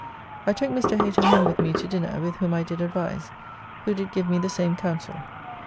I took Mr. Hater home with me to dinner, with whom I did advise, who did give me the same counsel.